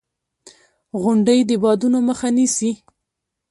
• غونډۍ د بادونو مخه نیسي.